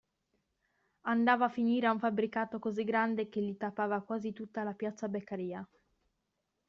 Andava a finire a un fabbricato così grande che gli tappava quasi tutta la Piazza Beccaria.